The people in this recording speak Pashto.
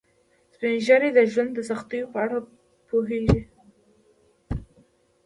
سپین ږیری د ژوند د سختیو په اړه پوهیږي